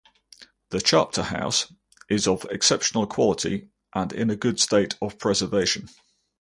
The chapter house is of exceptional quality and in a good state of preservation.